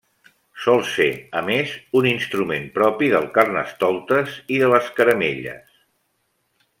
Sol ser, a més, un instrument propi del Carnestoltes i de les caramelles.